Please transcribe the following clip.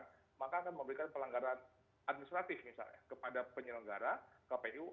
nah maka akan memberikan pelanggaran administratif misalnya kepada penyelenggara kpu